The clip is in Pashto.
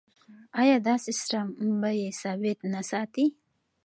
آیا دا سیستم بیې ثابت نه ساتي؟